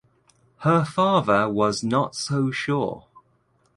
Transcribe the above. Her father was not so sure.